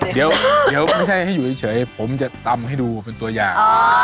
เดี๋ยวไม่ใช่ให้อยู่เฉยผมจะตำให้ดูเป็นตัวอย่าง